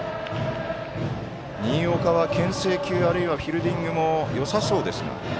新岡は、けん制球あるいはフィールディングもよさそうです。